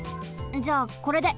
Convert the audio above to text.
じゃあこれで。